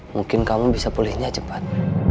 mungkin kamu bisa pulihnya cepat